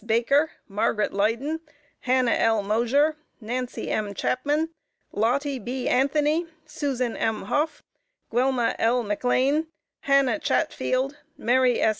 Baker, Margaret Leyden, Hannah L. Mosher, Nancy M. Chapman, Lottie B. Anthony, Susan M. Hough, Guelma L. McLean, Hannah Chatfield, Mary S.